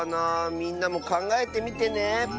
みんなもかんがえてみてね。